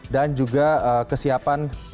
dan juga kesiapan untuk dimaksud